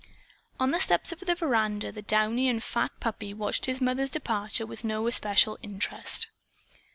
On the steps of the veranda the downy and fat puppy watched his mother's departure with no especial interest.